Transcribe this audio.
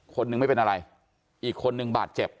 คนนึงไม่เป็นอะไรอีกคนนึงบาดเจ็บ